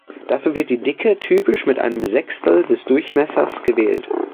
Dafür wird die Dicke typisch mit einem Sechstel des Durchmessers gewählt.